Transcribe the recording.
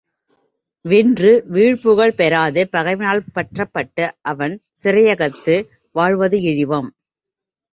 வென்று விழுப்புகழ் பெறாது, பகைவனால் பற்றப்பட்டு, அவன் சிறையகத்து வாழ்வது இழிவாம்.